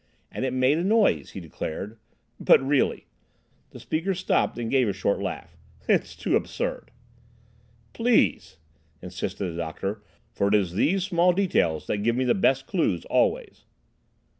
And it made a noise, he declared—but really"—the speaker stopped and gave a short laugh—"it's too absurd—" "Please!" insisted the doctor; "for it is these small details that give me the best clues always."